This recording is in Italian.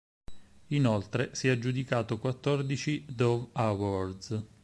Inoltre si è aggiudicato quattordici Dove Awards.